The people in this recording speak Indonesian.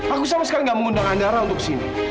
aku sama sekali gak mengundang andara untuk sini